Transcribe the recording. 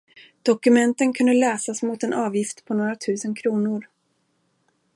Dokumenten kunde läsas mot en avgift på några tusen kronor